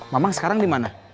mamang sekarang dimana